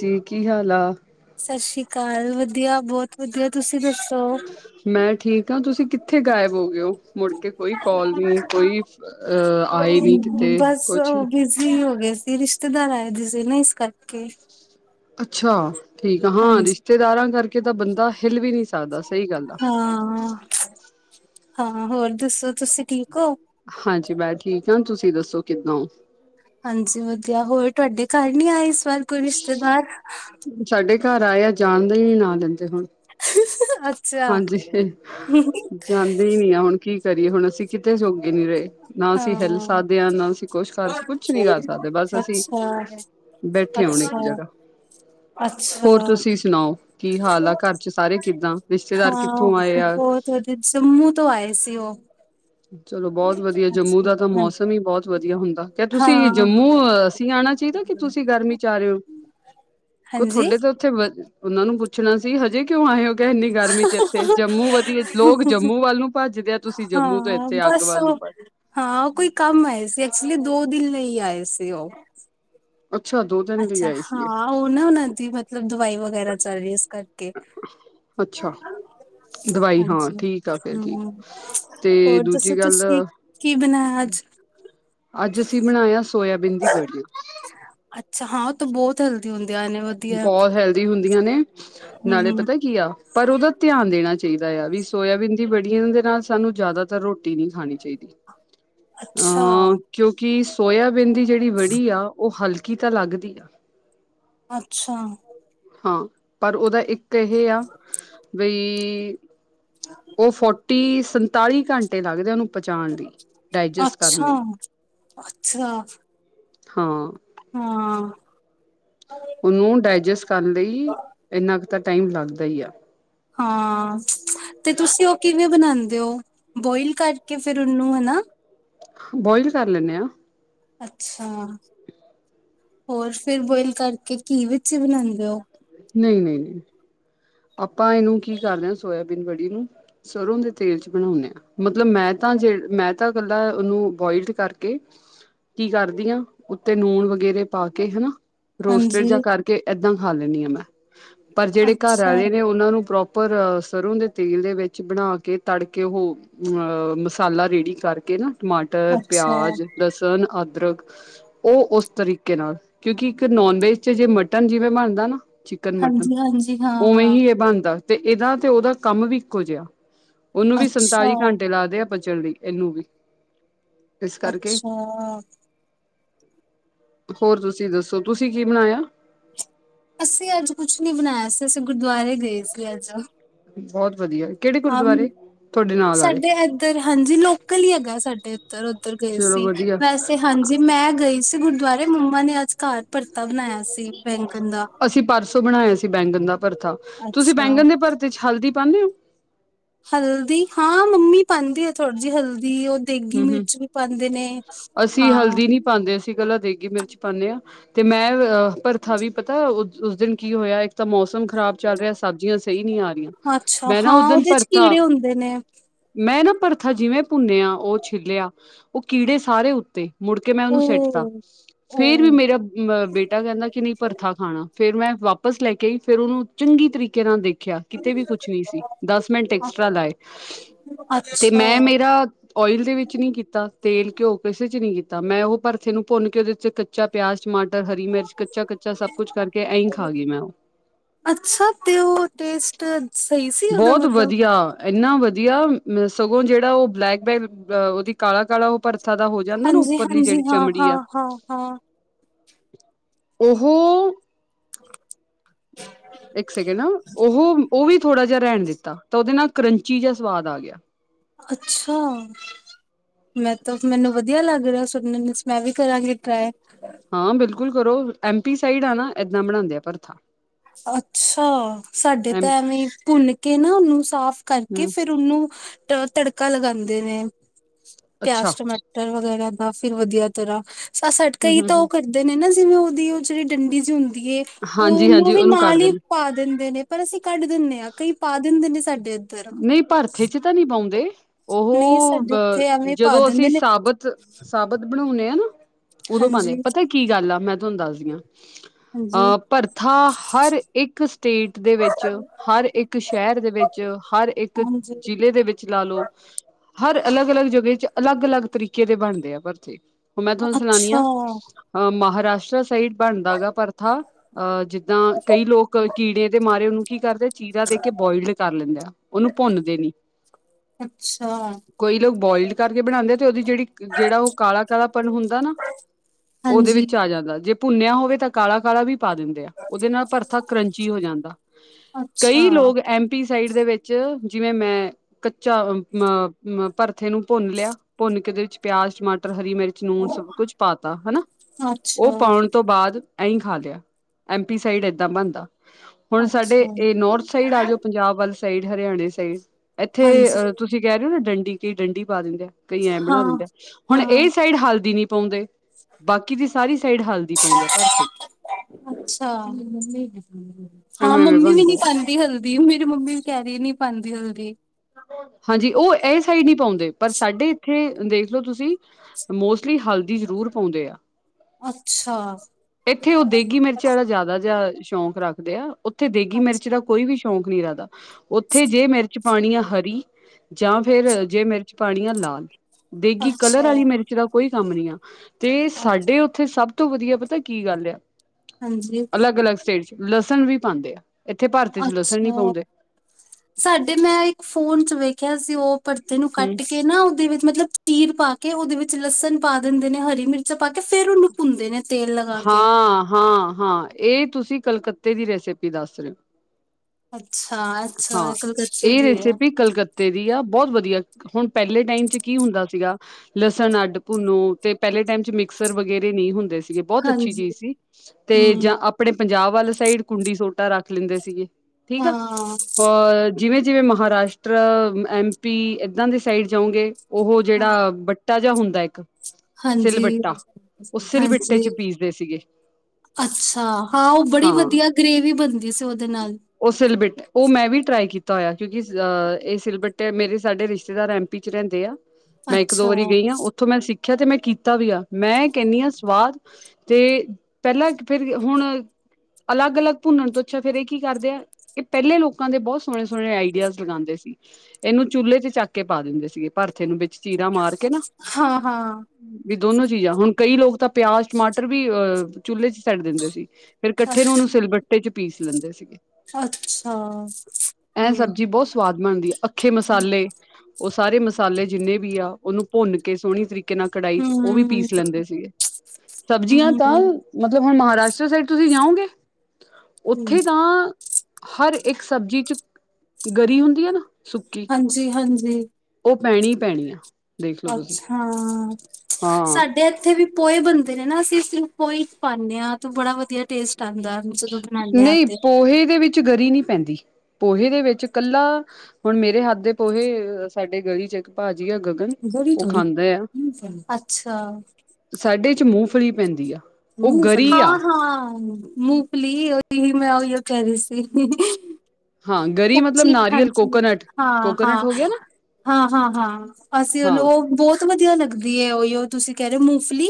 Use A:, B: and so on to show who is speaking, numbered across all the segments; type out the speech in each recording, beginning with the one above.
A: ਜੀ, ਕੀ ਹਾਲ ਆ?
B: ਸਸੀ ਅਕਾਲ, ਵਧੀਆ ਬਹੁਤ ਵਧੀਆ ਤੁਸੀਂ ਦੱਸੋ?
A: ਮੈਂ ਠੀਕ ਹਾਂ ਤੁਸੀਂ ਕਿੱਥੇ ਗਾਇਬ ਹੋ ਗਏ ਹੋ ਮੁੜ ਕੇ ਕੋਈ ਕਾਲ ਨੀ ਕੋਈ ਅਹ ਆਏ ਨੀ ਕਿਤੇ ਕੁਛ
B: ਜ ਹੋ ਗਏ ਸੀ ਰਿਸ਼ਤੇਦਾਰ ਆਏ ਜ ਸੀ ਨਾ ਇਸ ਕਰਕੇ
A: ਅੱਛਾ ਠੀਕ ਆ ਹਾਂ
B: ਹਾਂਜੀ
A: ਰਿਸ਼ਤੇਦਾਰਾਂ ਕਰਕੇ ਤਾਂ ਬੰਦਾ ਹਿੱਲ ਵੀ ਨਹੀਂ ਸਕਦਾ ਸਹੀ ਗੱਲ ਆ
B: ਹਾਂ ਹਾਂ ਹੋਰ ਦੱਸੋ ਤੁਸੀਂ ਠੀਕ ਹੋ
A: ਹਾਂਜੀ ਮੈਂ ਠੀਕ ਹਾਂ ਤੁਸੀਂ ਦੱਸੋ ਕਿੱਦੋ
B: ਹਾਂਜੀ ਵਧੀਆ ਹੋਰ ਤੁਹਾਡੇ ਘਰ ਨੀ ਆਏ ਸੀ
A: ਸਾਡੇ ਘਰ ਆਏ ਆ ਜਾਣਦੇ ਹੀ ਨਾ ਲੈਂਦੇ ਹੁਣ
B: ਅੱ
A: ਹਾਂਜੀ ਜਾਂਦੇ ਹੀ ਨਹੀਂ ਆ ਹੁਣ ਕੀ ਕਰੀਏ ਹੁਣ ਅਸੀਂ ਕਿਤੇ ਜੌਗੇ ਨੀ ਰਹੇ ਨਾ ਅਸੀਂ ਹਿੱਲ
B: ਹਾਂ
A: ਸਕਦੇ ਹਾਂ ਨਾ ਅਸੀਂ ਕੁਛ ਕਰ ਕੁਛ ਨੀ ਕਰ ਸਕਦੇ ਬਸ ਅਸੀਂ
B: ਹਾਂ
A: ਬੈਠੇ ਹੁਣੇ ਇੱਕ ਜਗ੍ਹਾ
B: ਅੱਛਾ
A: ਹੋਰ ਤੁਸੀਂ ਸੁਣਾਓ ਕਿ ਹਾਲ ਆ ਘਰ ਚ ਸਾਰੇ ਕਿੱਦਾਂ ਰਿਸ਼ਤੇਦਾਰ
B: ਹਾਂ
A: ਕਿੱਥੋਂ ਆਏ ਆ
B: ਬਹੁਤ ਜੰਮੂ ਤੋਂ ਆਏ ਸੀ ਉਹ
A: ਚਲੋ ਬਹੁਤ ਵਧੀਆ ਜੰਮੂ
B: ਅੱਛਾ
A: ਦਾ ਤਾਂ
B: ਹਾਂ
A: ਮੌਸਮ ਹੀ ਬਹੁਤ ਵਧੀਆ ਹੁੰਦਾ ਕ ਤੁਸੀਂ
B: ਹਾਂ,
A: ਜੰਮੂ ਅਸੀਂ ਆਉਣਾ ਚਾਹੀਦਾ ਕੀ ਤੁਸੀਂ ਗਰਮੀ ਚ ਆ ਰਹੇ ਹੋ
B: ਹਾਂਜੀ
A: ਥੇ ਉਹਨਾ ਨੂੰ ਪੁੱਛਣਾ ਸੀ ਤੁਸੀਂ ਹਜੇ ਕਿਉਂ ਆਏ ਹੋਗੇ ਇੰਨੀ ਗਰਮੀ ਚ ਇੱਥੇ ਜੰਮੂ ਵਧੀਆ ਲੋਕ ਜੰਮੂ ਵੱਲ ਨੂੰ ਭੱਜਦੇ ਆ ਤੁਸੀਂ ਜੰਮੂ
B: ਹਾਂ
A: ਇੱਥੇ ਅੱਗ
B: ਬਸ
A: ਵੱਲ ਨੂੰ
B: ਉਹ
A: ਪ
B: ਹਾਂ ਉਹ ਕੋਈ ਕੰਮ ਆਏ ਸੀ ਐਕਚੁਲੀ ਦੋ ਦਿਨ ਲਈ ਆਏ ਸੀ ਉਹ
A: ਅੱਛਾ ਦੋ ਦਿਨ ਲਈ
B: ਅੱਛਾ
A: ਆਏ ਸੀਗੇ
B: ਹਾਂ ਉਹ ਨਾ ਉਹਨਾਂ ਦੀ ਮਤਲਬ ਦਵਾਈ ਵਗੈਰਾ ਚੱਲ ਰਹੀ ਇਸ ਕਰਕੇ
A: ਅੱਛਾ ਦਵਾਈ ਹਾਂ
B: ਹਾਂਜੀ
A: ਠੀਕ ਆ ਫੇਿਰ ਠੀਕ
B: ਹਮ
A: ਤੇ
B: ਹੋਰ ਦੱਸੋ
A: ਦੂਜੀ ਗੱਲ
B: ਤੁਸੀਂ ਕੀ ਬਣਾਇਆ ਅੱਜ
A: ਅੱਜ ਅਸੀਂ ਬਣਾਇਆ ਸੋਇਬੀਨ ਦੀ ਬੜੀਆਂ
B: ਅੱਛਾ ਹਾਂ ਉਹ ਤਾਂ ਬਹੁਤ ਹੈਲਦੀ ਹੁੰਦੀ ਆਨ
A: ਬਹੁਤ ਹੈਲਦੀ ਹੁੰਦੀਆਂ ਨੇ ਨਾਲੇ
B: ਹਮ
A: ਪਤਾ ਕੀ ਆ ਪਰ ਉਹਦਾ ਧਿਆਨ ਦੇਣਾ ਚਾਹੀਦਾ ਆ ਵੀ ਸੋਇਬੀਨ ਦੀ ਬੜੀ ਦੇ ਨਾਲ ਸਾਨੂੰ ਜ਼ਿਆਦਾਤਰ ਰੋਟੀ ਨਹੀਂ ਖਾਣੀ ਚਾਹੀਦੀ
B: ਅੱਛਾ
A: ਅਹ ਕਿਉਂਕਿ ਸੋਇਆਬੀਨ ਦੀ ਜਿਹੜੀ ਵੜੀ ਆ ਉਹ ਹਲਕੀ ਤਾਂ ਲੱਗਦੀ ਆ
B: ਅੱਛਾ
A: ਹਾਂ ਪਰ ਉਹਦਾ ਇੱਕ ਇਹ ਆ ਵੀਈ
B: ਹ
A: ਉਹ ਫੋਟੀ ਸੰਤਾਲੀ ਘੰਟੇ ਲੱਗਦੇ ਉਹਨੂੰ ਪਹੁੰਚਾਉਣ ਲਈ ਡਾਇਜਸਟ ਕਰਨ
B: ਅੱਛਾ
A: ਲਈ
B: ਅੱਛਾ
A: ਹਾਂ
B: ਹਾਂ
A: ਉਹਨੂੰ ਡਾਇਜੈਸਟ ਕਰਨ ਲਈ ਇੰਨਾ ਕੁ ਤਾਂ ਟਾਈਮ ਲੱਗਦਾ ਹੀ ਆ
B: ਹਾਂ ਤੇ ਤੁਸੀਂ ਉਹ ਕਿਵੇਂ ਬਣਾਉਂਦੇ ਹੋ ਬੋਇਲ ਕਰਕੇ ਫੇਰ ਉਹਨੂੰ ਹਨਾ
A: ਬੋਇਲ ਕਰ ਲੈਂਦੇ ਹਾਂ
B: ਅੱਛਾ ਹੋਰ ਫਿਰ ਬੋਇਲ ਕਰਕੇ ਘੀ ਵਿੱਚ ਹੀ ਬਣਾਉਂਦੇ ਹੋ
A: ਨਹੀਂ ਨਹੀਂ ਨਹੀਂ ਆਪਾਂ ਇਹਨੂੰ ਕੀ ਕਰ ਲ ਹ ਸੋਇਆਬੀਨ ਬੜੀ ਨੂੰ ਸਰ੍ਹੋਂ ਦੇ ਤੇਲ ਚ ਬਣਾਉਂਦੇ ਹਾਂ ਮਤਲਬ ਮੈਂ ਤਾਂ ਜ ਮੈਂ ਤਾਂ ਇਕੱਲਾ ਉਹਨੂੰ ਬਆਇਲ ਕਰਕੇ ਕੀ ਕਰਦੀ ਹਾਂ ਉੱਤੇ ਨੂਣ ਵਗੈਰੇ ਪਾ ਕੇ ਹਨਾ ਰੋਸਟਡ
B: ਹਾਂਜੀ
A: ਜਾਂ ਕਰਕੇ ਏਦਾਂ ਖਾ ਲੈਂਣੀ ਹਾਂ ਮੈਂ ਪਰ ਜਿਹੜੇ ਘਰ
B: ਅੱਛਾ
A: ਆੇ ਨੇ ਉਹਨਾਂ ਨੂੰ ਪ੍ਰੋਪ ਉੱਪਰ ਸਰ੍ਹੋਂ ਦੇ ਤੇਲ ਦੇ ਵਿੱਚ ਬਣਾ ਕੇ ਤੜਕੇ ਉਹ ਅਹ ਮਸਾਲਾ ਰੇਡੀ ਕਰਕੇ ਨਾ ਟਮਾਟਰ
B: ਅੱਛਾ
A: ਪਿਆਜ ਲਸਣ ਅਦਰਕ ਉਹ ਉਸ ਤਰੀਕੇ ਨਾਲ ਕਿਉਂਕਿ ਇੱਕ ਨੋਨ ਵੈਜ ਚ ਜੇ ਮਟਨ ਜਿਵੇਂ ਬਣਦਾ ਨਾ ਚਿਕਨ ਮਟਨ
B: ਹਾਂਜੀ ਹਾਂਜੀ ਹਾਂ
A: ਉਵੇਂ
B: ਹਾਂ
A: ਹੀ ਇਹ ਬਣਦਾ ਤੇ ਇਹਦਾ ਤੇ ਉਹਦਾ ਕੰਮ ਵੀ ਇੱਕੋ ਜਿਹਾ ਉਹਨੂੰ ਵੀ
B: ਅੱਛਾ
A: ਸੰਤਾਲੀ ਘੰਟੇ ਲੱਗਦੇ ਆ ਪਚਣ ਲਈ ਇਹਨੂੰ ਵੀ ਇਸ ਕਰਕੇ
B: ਅੱਛਾ
A: ਹੋਰ ਤੁਸੀਂ ਦੱਸੋ ਤੁਸੀਂ ਕੀ ਬਣਾਇਆ
B: ਅਸੀਂ ਅੱਜ ਕੁਛ ਨੀ ਬਣਾਇਆ ਸੀ ਅਸੀਂ ਗੁਰਦੁਆਰੇ ਗਏ ਸੀ ਅੱਜ
A: ਬਹੁਤ ਵਧੀਆ ਕਿਹੜੇ
B: ਹਾਂ
A: ਗੁਰਦੁਆਰੇ ਤੁਹਾਡੇ ਨਾਲ ਵਾਲੇ
B: ਸਾਡੇ ਇੱਧਰ ਹਾਂਜੀ ਲੋਕਲ ਹੀ ਹੈਗਾ ਸਾਡੇ ਇੱਧਰ ਉੱਧਰ ਗਏ
A: ਚਲੋ
B: ਸੀ
A: ਵਧੀਆ
B: ਵੈਸੇ ਹਾਂਜੀ ਮੈਂ ਗਈ ਸੀ ਗੁਰਦੁਆਰੇ ਮੰਮਾ ਨੇ ਅੱਜ ਘਰ ਪਰਤਾ ਬਣਾਇਆ ਸੀ ਬੈਂਕਣ ਦਾ
A: ਅਸੀਂ ਪਰਸੋਂ ਬਣਾਇਆ ਸੀ ਬੈਂਗਣ ਦਾ ਭਰਥਾ ਤੁਸੀਂ
B: ਅੱਛਾ
A: ਬੈਂਗਣ ਦੇ ਭਰਤੇ ਚ ਹਲਦੀ ਪਾਉਦੇ ਹੋ
B: ਹਲਦੀ ਹਾਂ ਮੰਮੀ ਪਾਦੇ ਹੈ ਥੋੜੀ ਜਿਹੀ ਹਲਦੀ ਦੀ ਉਹ ਦੇਗੀ
A: ਹੂੰ ਹੂੰ
B: ਮਿਰਚ ਵੀ ਪਾਦੇ ਨੇ ਹਾਂ
A: ਹਾਂਜੀ ਅਸੀਂ ਇਕਹਿਲਾਾਂ ਦੇਗੀ ਮਿਰਚ ਪਾਉਂਦੇ ਹਾਂ ਤੇ ਮੈਂ ਅਹ ਭਰਥਾ ਵੀ ਪਤਾ ਉਸ ਦਿਨ ਕੀ ਹੋਇਆ ਇੱਕ ਤਾਂ ਮੌਸਮ ਖ਼ਰਾਬ ਚੱਲ ਰਿਹਾ ਸੀ ਸਬਜ਼ੀਆਂ ਸਹੀ ਨਹੀਂ ਆ ਰਹੀਆਂ
B: ਅੱਛਾ
A: ਮੈਂ ਨਾ
B: ਹਾਂ
A: ਉਸ ਦਿਨ
B: ਉਹਦੇ ਚ
A: ਭਰਥਾ
B: ਕੀੜੇ ਹੁੰਦੇ ਨੇ
A: ਮੈਂ ਨਾ ਪਰਥਾ ਜਿਵੇਂ ਭੁੰਨਿਆ ਉਹ ਛਿੱਲਿਆ ਉਹ ਕੀੜੇ ਸਾਰੇ ਉੱਤੇ ਮੁੜ ਕੇ ਮੈਂ ਉਹਨੂੰ ਸਟੈਟਾਤ
B: ਉਹ
A: ਫੇਰ ਵੀ
B: ਉਹ
A: ਮੇਰਾ ਬੇ ਏਹ ਕਹਿੰਦਾ ਕਿ ਨਹੀਂ ਭਰਥਾ ਖਾਣਾ ਫੇਰ ਮੈਂ ਵਾਪਸ ਲੈ ਕੇ ਆਈ ਫੇਿਰ ਉਹਨੂੰ ਚੰਗੀ ਤਰੀਕੇ ਨਾਲ ਦੇਖ ਖਿਆ ਕਿਤੇ ਵੀ ਕੁਛ ਨਹੀਂ ਸੀ ਦਸ ਮਿੰਟ ਐਕਸਟਰਾ ਲਾਏ ਤੇ
B: ਅੱਛਾ।
A: ਮੈਂ ਮੇਰਾ ਓਇਲ ਦੇ ਵਿੱਚ ਨੀ ਕੀਤਾ ਤੇਲ ਘਿਓ ਕਿਸੇ ਚ ਨੀ ਕੀਤਾ ਮੈਂ ਉਹ ਭਰਥੇ ਨੂੰ ਭੁੰਨ ਕੇ ਉਹਦੇ ਚ ਕੱਚਾ ਪਿਆਜ ਟਮਾਟਰ ਹਰੀ ਮਿਰਚ ਕੱਚਾ ਕੱਚਾ ਸਭ ਕੁਛ ਕਰਕੇ ਇਹੀਂ ਖਾ ਗਈ ਮੈਂ ਉਹ
B: ਅੱਛਾ ਤੇ ਉਹ ਟੇਸਟ ਸਹੀ ਸੀ ਉਹਦਾ
A: ਬਹੁਤ
B: ਮਤਲਬ
A: ਵਧੀਆ ਇੰਨਾ ਵਧੀਆ ਸਗੋਂ ਜਿਹੜਾ ਉਹ ਬਲੈਕ ਬੈਕ ਉਹਦੀ ਕਾਲਾ ਕਾਲਾ ਉਹ ਪਰਰਥਾ ਦਾ ਹੋ ਜਾਂਦਾ ਨਾ
B: ਹਾਂਜੀ
A: ਉੱਪਰਲੀ
B: ਹਾਂਜੀ
A: ਜਿਹੜੀ
B: ਹਾਂ
A: ਚਮੜੀ
B: ਹਾਂ
A: ਆ
B: ਹਾਂ ਹਾਂ
A: ਉਹ
B: ਹ
A: ਇੱਕ ਸੈਕਿੰਡ ਉਹ ਉਹ ਵੀ ਥੋੜਾ ਜਿਹਾ ਰਹਿਣ ਦਿੱਤਾ ਤਾਂ ਉਹਦੇ ਨਾਲ ਕਰੰਚੀ ਜਿਹਾ ਸਵਾਦ ਆ ਗਿਆ
B: ਅੱਛਾ ਮੈਂ ਤਾਂ ਮੈਨੂੰ ਵਧੀਆ ਲੱਗ ਰਿਹਾ ਸੁਣਨ ਵਿੱਚ ਮੈਂ ਵੀ ਕਰਾਂਗੀ ਟਰਾਈ
A: ਹਾਂ ਬਿਲਕੁਲ ਕਰੋ ਐਮਪੀ ਸਾਈਡ ਆ ਨਾ ਏਦਾਂ ਬਣਾਉਂਦੇ ਆ ਭਰਥਾ
B: ਅੱਛਾ ਸਾਡੇ
A: ਐਮ
B: ਤਾਂ ਐਵੇਂ ਭੁੰਨ ਕੇ ਨਾ ਉਹਨੂੰ ਸਾਫ ਕਰਕੇ
A: ਹਮ
B: ਫੇਿਰ ਉਹਨੂੰ ਤੜਕਾ ਲਗਾਉਂਦੇ ਨੇ
A: ਅੱਛਾ
B: ਪਿਆਜ ਟਮਾਟਰ ਵਗੈਰਾ ਦਾ ਫਿਰ ਵਧੀਆ ਤਰ੍ਹਾਂ ਸਟਕਈ
A: ਹਮ ਹਮ
B: ਤਾਂ
A: ਹਮ
B: ਉਹ ਦੇ ਨੇ ਨਾ ਜਿਵੇਂ ਉਹਦੀ ਉਹ ਜਿਹੜੀ ਡੰਡੀ ਜਿ ਹੁੰਦੀ ਹੈ
A: ਹਾਂਜੀ
B: ਉਹਨੂੰ
A: ਹਾਂਜੀ
B: ਵੀ
A: ਕੱਢ
B: ਨਾਲ ਹੀ
A: ਦੇਣਾ
B: ਪਾ ਦਿੰਦੇ ਨੇ ਪਰ ਅਸੀਂ ਕੱਢ ਦਿੰਦੇ ਹਾਂ ਕਈ ਪਾ ਦਿੰਦੇ ਨੇ ਸਾਡੇ ਇੱਧਰ
A: ਵੀਚ ਤਾਂ ਨਹੀਂੀ ਪਾਉਂਦੇ
B: ਨਹੀਂ
A: ਉਹ
B: ਸਾਡੇ ਇੱਥੇ
A: ਅਹ
B: ਐਵੇਂ ਪਾ
A: ਜਦੋਂ
B: ਦਿੰਦੇ
A: ਅਸੀਂ
B: ਨੇ
A: ਸਾਬਤ ਸਾਬਤ ਬਣਾਉਣੇ ਆ ਨਾ ਉਦੋਂ ਮਦੇ
B: ਹਾਂਜੀ
A: ਪਤਾ ਕੀ ਗੱਲ ਆ ਮੈਂ ਤੁਹਾਨੂੰ ਦੱਸਦੀ ਹ
B: ਹਾਂਜੀ
A: ਅਹ ਭਰਥਾ ਹਰ ਇੱਕ ਸਟੇਟ ਦੇ ਵਿੱਚ ਹਰ ਇੱਕ ਸ਼ਹਿਰ ਦੇ ਵਿੱਚ ਹਰ ਇੱਕ
B: ਹਾਂਜੀ
A: ਜ਼ਿਲ੍ਹੇ ਦੇ ਵਿੱਚ ਲਾ ਲਓ ਹਰ ਅਲੱਗ ਅਲੱਗ ਜਗ੍ਹਾ ਚ ਅਲੱਗ ਅਲੱਗ ਤਰੀਕੇ ਦੇ ਬਣਦੇ ਆ ਪਰਚੇ ਉਹ ਮੈਂ ਤੁਹਾਨੂੰ ਸੁਣਾਾਨ
B: ਅੱਛਾ
A: ਆ ਅ ਮਹਾਰਾਸ਼ਟਰਰਾ ਸਾਈਡ ਬਣਦਾ ਗਾ ਪਰਥਾ ਅਹ ਜਿੱਦਾਂ ਕਈ ਲੋਕ ਕੀੜੇ ਦੇ ਮਾਰੇ ਉਹਨੂੰ ਕੀ ਕਰਦੇ ਚੀਰਾ ਦੇ ਕੇ ਬੋਇਲਡ ਕਰ ਲੈਂਦੇ ਆ ਉਹਨੂੰ ਭੁੰਨਦੇ ਨੀ
B: ਅੱਛਾ
A: ਕੋਈ ਲੋਕ ਬੋਇਲ ਕਰਕੇ ਬਣਾਉਂਦੇ ਆ ਤੇ ਉਹਦੀ ਜਿਹੜੀ ਜਿਹੜਾ ਉਹ ਕਾਲਾ ਕਾਲਾਪਨ ਹੁੰਦਾ ਨਾ ਉਹਦੇ
B: ਹਾਂਜੀ
A: ਵਿੱਚ ਆ ਜਾਂਦਾ ਜੇ ਭੁੰਨਿਆ ਹੋਵੇ ਤਾਂ ਕਾਲਾ ਕਾਲਾ ਵੀ ਪਾ ਦਿੰਦੇ ਆ ਉਹਦੇ ਨਾਲ ਭਰਥਾ ਕਰੰਚੀ ਹੋ ਜਾਂਦਾ
B: ਅੱਛਾ
A: ਕਈ ਲੋਕ ਐਮ ਐਮ ਪੀ ਸਾਈਡ ਦੇ ਵਿੱਚ ਜਿਵੇਂ ਮੈਂ ਕੱਚਾ ਅ ਅ ਪਰਥੇ ਨੂੰ ਭੁੰਨ ਲਿਆ। ਭੁੰਨ ਕੇ ਉਹਦੇ ਵਿੱਚ ਪਿਆਜ, ਟਮਾਟਰ, ਹਰੀ ਮਿਰਚ ਨੂਨ ਸਭ ਕੁਛ ਪਾਤਾ, ਹਨਾ ਉਹ
B: ਅੱਛਾ
A: ਪਾਉਣ ਤੋਂ ਬਾਅਦ ਐਹੀਂ ਖਾ ਲਿਆ। ਐਮ ਪੀ ਸਾਈਡ ਏਦਾਂ ਬਣਦਾ। ਹੁਣ ਸਾਡੇ
B: ਅੱਛਾ
A: ਇਹ ਨੌਰਥ ਸਾਈਡ ਆ ਜਾਓ, ਪੰਜਾਬ ਵਾਲੀ ਸਾਈਡ, ਹਰਿਆਣੇ ਸਾਈਡ ਇੱਥੇ
B: ਹਾਂਜੀ
A: ਅ ਤੁਸੀਂ ਤੁਸੀ ਕਹਿ ਰਹੇ ਹੋ ਨਾ ਡੰਡੀ, ਕਈ ਡੰਡੀ ਪਾ ਦਿੰਦੇ ਆ, ਕਈ ਐਂ ਬਣਾ
B: ਹਾਂ
A: ਦਿੰਦੇ ਆ। ਹੁਣ
B: ਹਾਂ
A: ਇਹ ਸਾਈਡ ਹਲਦੀ ਨੀ ਪਾਉਂਦੇ। ਬਾਕੀ ਦੀ ਸਾਰੀ ਸਾਈਡ ਹਲਦੀ ਪਾਉਂਦੇ ਆ। ਭਰਤੀ,
B: ਅੱਛਾ, ਹਾਂ ਮੰਮੀ
A: ਐਵੇਂ ਐਵੇਂ
B: ਵੀ ਨੀ
A: ਬਣਦਾ
B: ਦੀ ਹਲਦੀ ਮੇਰੀ ਮੰਮੀ ਵੀ ਕਹਿ ਰਹੀ ਨੀ ਪਾਉਂਦੀ ਹਲਦੀ।
A: ਹਾਂਜੀ, ਉਹ ਇਹ ਸਾਈਡ ਨਹੀਂ ਪਾਉਂਦੇ। ਪਰ ਸਾਡੇ ਥੇ ਦੇਖਲੋ ਤੁਸੀਂ ਮੋਸਟਲੀ ਹਲਦੀ ਜ਼ਰੂਰ ਪਾਉਂਦੇ ਆ।
B: ਅੱਛਾ।
A: ਇੱਥੇ ਉਹ ਦੇਗੀ ਮਿਰਚ ਵਾਲਾ ਜ਼ਿਆਦਾ ਜਿਹਾ ਸ਼ੌਂਕ ਰੱਖਦੇ ਆ। ਉੱਥੇ ਦੇਗੀ ਮਿਰਚ ਦਾ ਕੋਈ ਵੀ ਸ਼ੌਕ ਨੀ ਰਹਦਾ। ਉੱਥੇ ਜੇ ਮਿਰਚ ਪਾਣੀ ਆ ਹਰੀ, ਜਾਂ ਫੇਰ ਜੇ ਮਿਰਚ ਪਾਣੀ ਆ ਲਾਲ, ਦੇਗੀ ਕਲਰ
B: ਅੱਛਾ
A: ਵਾਲੀ ਮਿਰਚ ਦਾ ਕੋਈ ਕੰਮ ਨੀ ਆ। ਤੇ ਸਾਡੇ ਉੱਥੇ ਸਭ ਤੋਂ ਵਧੀਆ ਪਤਾ ਗੱਲ ਆ
B: ਹਾਂਜੀ
A: ਅਲੱਗ- ਅਲੱਗ ਸਟੇਟ ਚ, ਲਸਣ ਵੀ ਪਾਉਂਦੇ ਆ। ਇੱਥੇ ਭਾਰਤ ਚ ਲਸਣ ਨਹੀਂ
B: ਅੱਛਾ,
A: ਪਾਉਂਦੇ
B: ਸਾਡੇ ਮੈਂ ਇੱਕ ਫੋਨ ਚ ਵੇਖਿਆ ਸੀ। ਉਹ ਪਰਦੇ ਨੂੰ ਕੱਟ
A: ਹਮ
B: ਕੇ ਕੇ ਨਾ ਉਹਦੇ ਵਿੱਚ ਮਤਲਬ ਚੀਰ ਪਾ ਕੇ, ਉਹਦੇ ਵਿੱਚ ਲਸਣ ਪਾ ਦਿੰਦੇ ਨੇ, ਹਰੀ ਮਿਰਚਾਂ ਪਾ ਕੇ ਫ਼ੇਰ ਉਹਨੂੰ ਹੁੰਦੇ ਨੇ ਤੇਲ ਲਗਾ ਕੇ
A: ਹਾਂ, ਹਾਂ, ਹਾਂ, ਇਹ ਤੁਸੀਂ ਕਲਕੱਤੇ ਦੀ ਰੈਸਿਪੀ ਦੱਸ ਰਹੇ ਹੋ।
B: ਅੱਛਾ, ਅੱਛਾ, ਕਲਕੱਤੀ ਦੀ ਹੈ।
A: ਤੇ ਦੀ ਆ ਬਹੁਤ ਵਧੀਆ। ਹੁਣ ਪਹਿਲੇ ਟਾਈਮ ਚ ਕੀ ਹੁੰਦਾ ਸੀਗਾ। ਲਸਣ ਅੱਡ ਭੁੰਨੋ ਤੇ, ਪਹਿਲੇ ਟਾਈਮ ਚ ਮਿਕਸਰ ਵਗੈਰੇ ਨਹੀਂ ਹੁੰਦੇ ਸੀ। ਸੀ ਬਹੁਤ ਅੱਛੀ
B: ਹਾਂਜੀ
A: ਚੀਜ਼ ਸੀ। ਤੇ
B: ਹਮ
A: ਜਾਂ ਆਪਣੇ ਪੰਜਾਬ ਵਾਲੇ ਸਾਈਡ ਕੁੰਡੀ- ਸੋਟਾ ਰੱਖ ਲੈਂਦੇ ਸੀ। ਠੀਕ ਆ।
B: ਹਾਂ
A: ਜਿਵੇਂ- ਜਿਵੇਂ ਮਹਾਰਾਸ਼ਟਰ, ਐਮ ਪੀ, ਇੱਦਾਂ ਦੀ ਸਾਈਡ ਜਾਉਗੇ ਉਹ ਜਿਹੜਾ ਬੱਟਾ ਜਿਹਾ ਹੁੰਦਾ ਇੱਕ।
B: ਹਾਂਜੀ,
A: ਸਿਲਬੱਟਾ ਉਹ ਸਿਲਬਿੱਟੇ ਚ
B: ਹਾਂਜੀ।
A: ਪੀਸਦੇ ਸੀਗੇ
B: ਅੱਛਾ, ਹਾਂ ਉਹ ਬੜੀ ਵਧੀਆ ਗ੍ਰੇਵੀ ਬਣਦੀ ਸੀ, ਉਹਦੇ ਨਾਲ।
A: ਉਹ ਸੀਲ- ਬੀਟ ਐ। ਉਹ ਮੈਂ ਵੀ ਟਰਾਈ ਕੀਤਾ ਹੋਇਆ। ਕਿਉਂਕਿ ਅ ਇਹ ਸਿਲ-ਬੱਟੇ ਮੇਰੇ ਸਾਡੇ ਰਿਸ਼ਤੇਦਾਰ ਐਮ ਪੀ ਚ ਰਹਿੰਦੇ ਆ। ਮੈਂ ਇੱਕ, ਦੋ
B: ਅੱਛਾ,
A: ਵਾਰੀ ਗਈ ਹਾਂ। ਉੱਥੋਂ ਮੈਂ ਸਿੱਖਿਆ ਤੇ ਮੈਂ ਕੀਤਾ ਵੀ ਆ। ਮੈਂ ਕਹਿੰਦੀ ਹਾਂ ਸਵਾਦ ਤੇ ਪਹਿਲਾਂ ਫੇਰ ਹੁਣ ਅਲੱਗ- ਅਲੱਗ ਭੁੰਨਣ ਤੋਂ ਅੱਛਾ ਫੇਰ ਇਹ ਕੀ ਕਰਦੇ ਆ ਇਹ ਪਹਿਲੇ ਲੋਕਾਂ ਦੇ ਬਹੁਤ ਸੋਹਣੇ- ਸੋਹਣੇ ਆਈਡੀਆਜ਼ ਲਗਾਉਂਦੇ ਸੀ। ਇਹਨੂੰ ਚੁੱਲੇ ਤੇ ਚੱਕ ਕੇ ਪਾ ਦਿੰਦੇ ਸੀਗੇ। ਭਰਥੇ ਨੂੰ ਚੀਰਾ ਮਾਰ ਕੇ ਨਾ,
B: ਹਾਂ-ਹਾਂ,
A: ਵੀ ਦੋਨੋ ਚੀਜ਼ਾਂ। ਹੁਣ ਕਈ ਲੋਕ ਤਾਂ ਪਿਆਜ, ਟਮਾਟਰ ਵੀ ਵੀ ਅਹ ਚੁੱਲੇ ਚਛੱਡ ਦਿੰਦੇ ਸੀ। ਫੇਰ ਇਕੱਠੇ ਨੂੰ
B: ਅੱਛਾ,
A: ਉਹਨੂੰ ਸਿਲਬੱਟੇ ਚ ਪੀਸ ਲੈਂਦੇ ਸੀਗੇ।
B: ਅੱਛਾ।
A: ਐਂ ਸਬਜ਼ੀ ਬਹੁਤ
B: ਹੂੰ।
A: ਸਵਾਦ ਬਣਦੀ ਹੈ। ਸੁਖੇ ਮਸਾਲੇ, ਉਹ ਸਾਰੇ ਮਸਾਲੇ ਜਿੰਨੇ ਵੀ ਆ। ਉਹਨੂੰ ਭੁੰਨ ਕੇ ਸੋਹਣੀ ਤਰੀਕੇ ਕੇ ਨਾ ਕੜਾਹੀ ਚ ਉਹ ਵੀ
B: ਹੂੰ,
A: ਪੀਸ ਲੈਂਦੇ ਸੀਗੇ। ਸਬਜ਼ੀਆਂ
B: ਹੂੰ,
A: ਤਾਂ ਮਤਲਬ ਹੁਣ ਮਹਾਰਾਸ਼ਟਰ ਸਾਈਡ ਤੁਸੀਂ ਜਾਓਗੇ।
B: ਹੂੰ,
A: ਉੱਥੇ ਤਾਂ ਹਰ ਇੱਕ ਸਬਜ਼ੀ ਚ, ਗਰੀ ਹੁੰਦੀ ਹੈ ਨਾ ਸੁੱਕੀ
B: ਹਾਂਜੀ- ਹਾਂਜੀ।
A: ਉਹ ਪੈਣੀ ਹੀ ਪੈਣੀ ਆ। ਦੇਖਲੋ ਤੁਸੀਂ
B: ਅੱਛਾ,
A: ਹਾਂ
B: ਸਾਡੇ ਇੱਥੇ ਵੀ ਪੋਹੇ ਬਣਦੇ ਨੇ ਨਾ, ਅਸੀਂ ਸਿਰਫ ਪੋਹੇ ਚ ਪਾਂਦੇ ਹਾਂ। ਤੂੰ ਬੜਾ ਵਧੀਆ ਟੇਸਟ ਆਉਂਦਾ।
A: ਨਹੀਂ ਪੋਹੇ ਦੇ ਵਿੱਚ, ਗਰੀ ਨਹੀਂ ਪੈਂਦੀ। ਪੋਹੇ ਦੇ ਵਿੱਚ ਕੱਲਾ, ਹੁਣ ਮੇਰੇ ਹੱਥ ਦੇ ਪੋਹੇ। ਸਾਡੇ ਗਲੀ ਚ ਇੱਕ ਭਾਜੀ ਆ ਗ
B: ਜਵੀਂ ਥੋੜੀ [unintelligible] ਅੱਛਾ।
A: ਸਾਡੇ 'ਚ ਮੂੰਫਲੀ ਪੈਂਦੀ ਆ। ਉਹ
B: ਮੂੰਫਲੀ,
A: ਗਰੀ ਆ
B: ਹਾਂ-ਹਾਂ ਮੂੰਫਲੀ ਓਹੀ ਮੈਂ ਉਈਓ ਕਹਿਦੀਂ ਸੀ।
A: ਹਾਂ ਗਰੀ ਮਤਲਬ
B: ਸੱਚੀ
A: ਨਾਰੀਅਲ
B: ਹਾਂਜੀ,
A: ਕੋਕੋਨਟ ਕੋਕੋਨਟ
B: ਹਾਂ-ਹਾਂ।
A: ਹੋ ਗਿਆ ਨਾ
B: ਹਾਂ-ਹਾਂ, ਹਾਂ ਅਸੀਂ ਉਹਨੂੰ
A: ਹਾਂ
B: ਉਹ ਬਹੁਤ ਵਧੀਆ ਲੱਗਦੀ ਏ ਓਈਓ ਤੁਸੀਂ ਕਹਿ ਰ‌ਏ ਓ ਮੂੰਫਲੀ।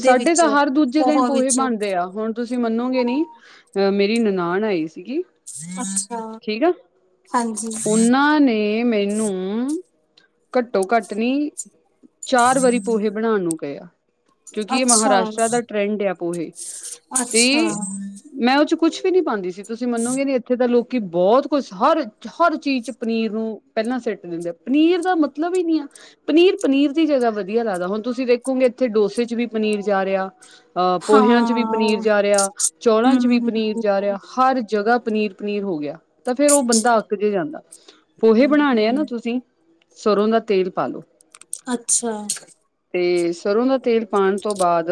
A: ਸਾਡੇ ਤਾਂ ਹਰ ਦੂਜੇ ਦਿਨ ਪੋਹੇ ਬਣਦੇ ਆ। ਹੁਣ ਤੁਸੀਂ ਮੰਨੋਗੇ ਨੀ, ਅਹ ਮੇਰੀ ਨਨਾਣ ਆਈ ਸੀਗੀ
B: ਅੱਛਾ। ਹਾਂਜੀ
A: ਓਨਾਂ ਨੇ ਮੈਨੂੰ, ਘੱਟੋ-ਘੱਟ ਨੀ ਚਾਰ ਵਾਰੀ ਪੋਹੇ ਬਣਾਂਣ ਨੂੰ ਗ‌ਆ ਕਿਉਂਕਿ ਇਹ
B: ਅੱਛਾ
A: ਮਹਾਰਾਸ਼ਟਰਾ ਦਾ ਟਰੈਂਡ ਆ ਪੋਹੇ,
B: ਅੱਛਾ
A: ਕੀ ਮੈਂ ਉਚ ਕੁਛ ਵੀ ਨੀ ਪਾਂਦੀ ਸੀ, ਤੁਸੀਂ ਮੰਨੋਗੇ ਨੀ ਇੱਥੇ ਤਾਂ ਲੋਕੀ ਬਹੁਤ ਕੁਛ ਹਰ ਹਰ ਚੀਜ਼ ਚ ਪਨੀਰ ਨੂੰ ਪਹਿਲਾਂ ਸਿੱਟ ਦਿੰਦੇ, ਪਨੀਰ ਦਾ ਮਤਲਬ ਈ ਨ‌ਈ ਆ ਪਨੀਰ-ਪਨੀਰ ਦੀ ਜਗ੍ਹਾ ਵਧੀਆ ਲੱਗਦਾ ਹੁਣ ਤੁਸੀਂ ਦੇਖੋਗੇ ਇੱਥੇ ਡੋਸੇ 'ਚ ਵੀ ਪਨੀਰ ਜਾ ਰਿਹਾ। ਅ ਪੋਹਿਆਂ ਚ ਵੀ
B: ਹਾਂ
A: ਪਨੀਰ ਜਾ ਰਿਆ, ਚੌਲਾਂ 'ਚ ਵੀ
B: ਹੂੰ
A: ਪਨੀਰ ਜਾ ਰਿਆ ਹਰ ਜਗ੍ਹਾ ਪਨੀਰ ਪਨੀਰ ਹੋ ਗਿਆ ਤਾਂ ਫੇਰ ਉਹ ਬੰਦਾ ਅੱਕ ਜੇ ਜਾਂਦਾ, ਪੋਹੇ ਬਣਾਨੇ ਆ ਨਾ
B: ਹੂੰ
A: ਤੁਸੀਂ ਸਰ੍ਹੋਂ ਦਾ ਤੇਲ ਪਾਲੋ।
B: ਅੱਛਾ।
A: ਤੇ ਸਰ੍ਹੋਂ ਦਾ ਤੇਲ ਪਾਣ ਤੋਂ ਬਾਅਦ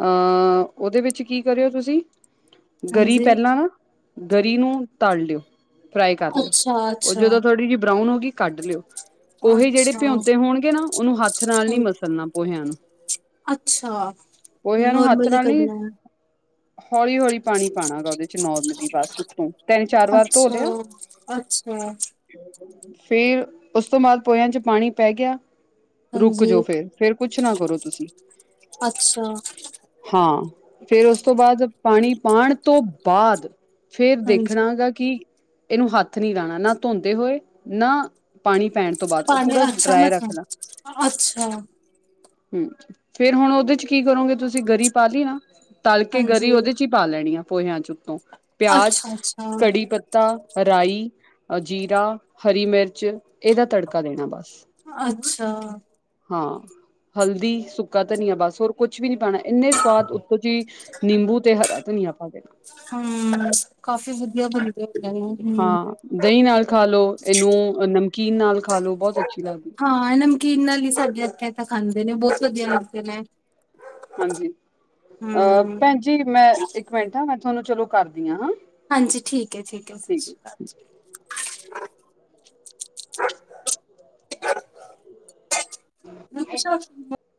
A: ਆ, ਉਹਦੇ ਵਿੱਚ ਕੀ ਕਰਿਓ ਤੁਸੀਂ ਗਰੀ
B: ਹਾਂਜੀ
A: ਪਹਿਲਾਂ ਨਾ, ਗਰੀ ਨੂੰ ਤਲ ਲਿਓ ਫਰਾਈ ਕਰ ਲਿਓ। ਉਹ
B: ਅੱਛਾ-ਅੱਛਾ
A: ਜਦੋਂ ਥੋੜ੍ਹੀ ਜਿਹੀ ਬਰਾਊਨ ਹੋ ਗਈ ਕੱਢ ਲਿਓ। ਪੋਹੇ ਜਿਹੜੇ
B: ਅੱਛਾ
A: ਭਿਉਂਤੇ ਹੋਣਗੇ ਨਾ ਉਹਨੂੰ ਹੱਥ ਨਾਲ
B: ਅੱਛਾ
A: ਨੀ ਮਸਲਣਾ ਪੋਹਿਆਂ ਨੂੰ।
B: ਅੱਛਾ, ਨੋਰਮਲੀ ਕਰਨਾ ਏ।
A: ਹੌਲੀ-ਹੌਲੀ ਪਾਣੀ ਪਾਣਾ ਗਾ ਉਹਦੇ 'ਚ ਨੋਰਮਲੀ ਬਸ, ਉਤੋਂ ਤਿੰਨ-ਚਾਰ ਵਾਰ ਧੋ ਦੇਓ
B: ਅੱਛਾ।
A: ਫੇਰ ਉਸ ਤੋਂ ਬਾਅਦ ਪੋਹਿਆਂ ਚ ਪਾਣੀ ਪੈ ਗਿਆ ਰੁਕ
B: ਹਾਂਜੀ
A: ਜੋ ਫੇਰ, ਫੇਰ ਕੁਛ ਨਾ ਕਰੋ ਤੁਸੀਂ।
B: ਅੱਛਾ
A: ਹਾਂ, ਫੇਰ ਉਸ ਤੋਂ ਬਾਅਦ ਪਾਣੀ ਪਾਣ ਤੋਂ ਬਾਅਦ ਫੇਰ ਦੇਖਣਾ
B: ਹਾਂਜੀ
A: ਗਾ ਕਿ, ਇਹਨੂੰ ਹੱਥ ਨੀ ਲਾਣਾ ਨਾ ਧੋਂਦੇ ਹੋਏ ਨਾ ਪਾਣੀ ਪੈਣ ਤੋਂ ਬਾਅਦ ਉਹ
B: ਪਾਣੀ
A: ਪੂਰਾ
B: ਅੱਛਾ
A: ਡਰਾਏ ਰੱਖਣਾ।
B: ਮਤਲਬ ਅੱਛਾ
A: ਹੂੰ, ਫੇਰ ਹੁਣ ਉਹਦੇ 'ਚ ਕੀ ਕਰੋਗੇ ਤੁਸੀਂ ਗਰੀ ਪਾ ਲੀ ਨਾ ਤਲ ਕੇ ਗਰੀ
B: ਹਾਂਜੀ
A: ਉਹਦੇ 'ਚ ਈ ਪਾ ਲੈਣੀ ਆ ਪੋਹਿਆਂ 'ਚ ਉੱਤੋਂ, ਪਿਆਜ,
B: ਅੱਛਾ-ਅੱਛਾ,
A: ਕੜੀ ਪਤ ਤਾਂ ਰਾਈ ਅ ਜੀਰਾ, ਹਰੀ ਮਿਰਚ ਇਹਦਾ ਤੜਕਾ ਦੇਣਾ ਬਸ।
B: ਅੱਛਾ।
A: ਹਾਂ, ਹਲਦੀ, ਸੁੱਕਾ ਧਨੀਆ ਬਸ ਹੋਰ ਕੁਛ ਵੀ ਨੀ ਪਾਣਾ ਇੰਨੇ ਸਵਾਦ ਸੀ, ਨਿੰਬੂ ਤੇ ਹਰਾ ਧਨੀਆ ਪਾ ਦੇਣਾ
B: ਹਮ, ਕਾਫੀ ਵਧੀਆ ਬਣਦੀ [unintelligible]
A: ਦ‌ਈਂ ਨਾਲ ਖਾ ਲੋ ਇਹਨੂੰ ਨਮਕੀਨ ਨਾਲ ਖਾ ਲੋ ਬਹੁਤ ਅੱਛੀ ਲੱਗਦੀ।
B: ਹਾਂ ਇਹ ਨਮਕੀਨ ਨਾਲ ਈ ਸਾਡੇ ਇਥੇ ਤਾਂ ਖਾਂਦੇ ਨੇ ਬਹੁਤ ਵਧੀਆ ਲੱਗਦੇ ਨੇ।
A: ਹਾਂਜੀ, ਆ
B: ਹੂੰ,
A: ਭੈਣਜੀ ਮੈਂ ਇੱਕ ਮਿੰਟ ਨਾ ਮੈਂ ਤੁਹਾਨੂੰ ਚਲੋ ਕਰਦੀ ਆ ਹਾਂ।
B: ਹਾਂਜੀ, ਠੀਕ ਏ- ਠੀਕ ਏ, ਸਾਸੀ ਕਾਲ ਜੀ। [inaudible]